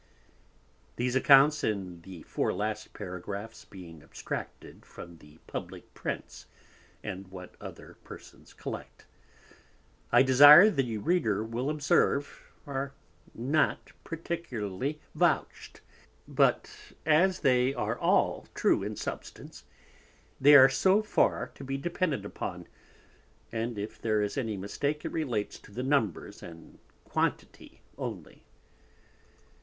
These Accounts in the four last Paragraphs being abstracted from the publick Prints, and what other Persons collect, I desire the Reader will observe, are not particularly vouch'd, but as they are all true in substance, they are so far to be depended upon, and if there is any mistake it relates to Numbers, and quantity only.